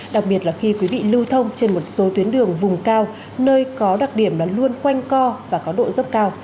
đặc biệt là khi quý vị lưu thông trên một số tuyến đường vùng cao nơi có đặc điểm là luôn quanh co và có độ dốc cao